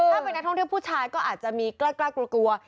ถ้าเป็นนักท่องเที่ยวผู้ชายก็อาจจะมีกล้ากลัวกลัว